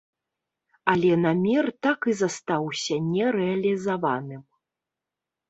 Але намер так і застаўся нерэалізаваным.